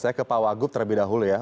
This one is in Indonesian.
saya ke pak wagub terlebih dahulu ya